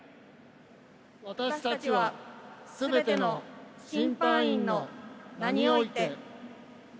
私たちはすべての審判員の名において。